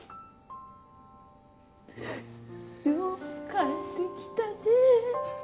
・よう帰ってきたねえ